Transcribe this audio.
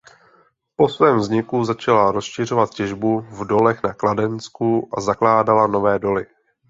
Po svém vzniku začala rozšiřovat těžbu v dolech na Kladensku a zakládala nové doly.